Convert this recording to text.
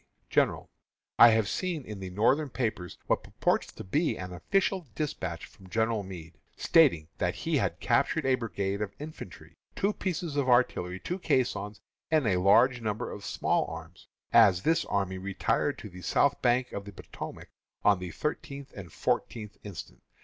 _: GENERAL: I have seen in the Northern papers what purports to be an official despatch from General Meade, stating that he had captured a brigade of infantry, two pieces of artillery, two caissons, and a large number of small arms, as this army retired to the south bank of the Potomac on the thirteenth and fourteenth instant.